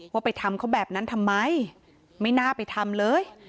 ว่าไปทำเขาแบบนั้นทำไมไม่น่าไปทำเลย